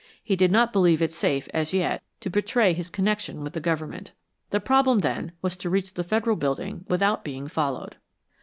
He did not believe it safe as yet to betray his connection with the Government. The problem then was to reach the Federal Building without being followed.